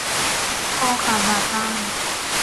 คอขาดบาดตาย